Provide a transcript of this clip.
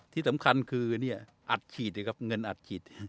ที่สำคัญคือเนี่ยอัดฉีดนะครับเงินอัดฉีด